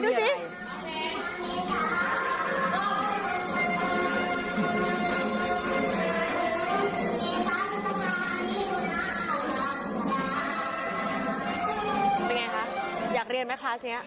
เป็นไงคะอยากเรียนไหมคลาสนี้